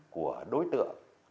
của đối tượng